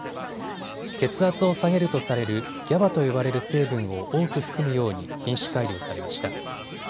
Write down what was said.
血圧を下げるとされるＧＡＢＡと呼ばれる成分を多く含むように品種改良されました。